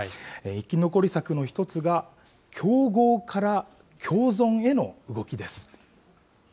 生き残り策の一つが競合から共存への動きです。